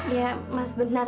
ya mas benar